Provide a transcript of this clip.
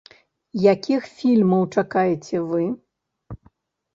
Якіх фільмаў чакаеце вы?